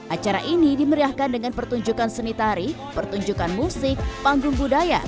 acara ini dimeriahkan dengan pertunjukan seni tari pertunjukan musik panggung budaya